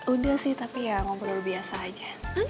udah sih tapi ya ngobrol biasa aja